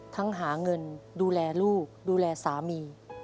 หาเงินดูแลลูกดูแลสามี